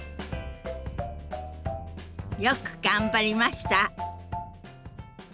よく頑張りました。